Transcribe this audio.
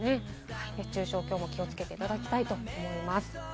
熱中症にきょうも気をつけていただきたいと思います。